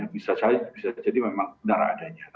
bisa jadi memang benar adanya